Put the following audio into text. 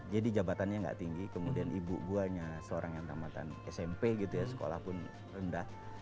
jadi jabatannya gak tinggi kemudian ibu gue seorang yang tamatan smp gitu ya sekolah pun rendah